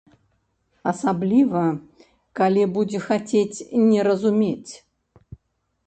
Асабліва, калі будзе хацець не разумець.